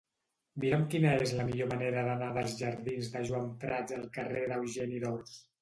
Mira'm quina és la millor manera d'anar dels jardins de Joan Prats al carrer d'Eugeni d'Ors.